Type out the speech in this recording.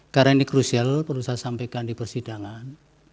karena ini krusial perlu saya sampaikan di persidangan